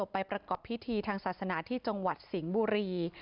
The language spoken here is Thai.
พิธีทางศาสนาที่จังหวัดสิงห์บุรี